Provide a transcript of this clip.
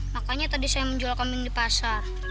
makanya tadi saya menjual kambing di pasar